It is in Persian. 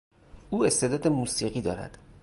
او استعداد موسیقی دارد.